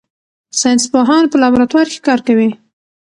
ساینس پوهان په لابراتوار کې کار کوي.